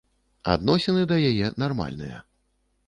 Адносіны да яе нармальныя.